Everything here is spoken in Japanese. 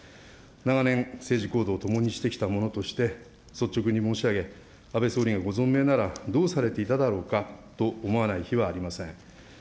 長年、政治行動を共にしてきた者として、率直に申し上げ、安倍総理がご存命ならどうされていただろうかと思わない日はありません。